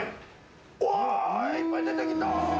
うわ、いっぱい出てきた！